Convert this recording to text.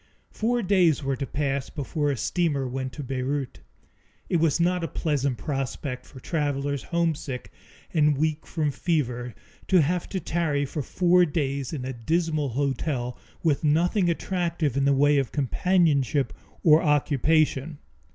Four days were to pass before a steamer went to Beirut. It was not a pleasant prospect for travelers homesick and weak from fever to have to tarry for four days in a dismal hotel, with nothing attractive in the way of companionship or occupation.